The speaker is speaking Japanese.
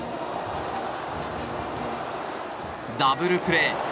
ダブルプレー。